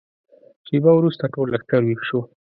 شېبه وروسته ټول لښکر ويښ شو.